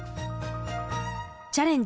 「チャレンジ！